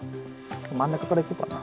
真ん中からいこうかな。